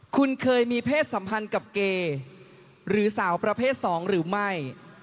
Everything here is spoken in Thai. คุณเคยมีเพศสัมพันธ์กับเกย์หรือสาวประเภท๒หรือไม่